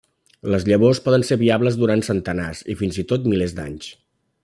Les llavors poden ser viables durant centenars i fins i tot milers d'anys.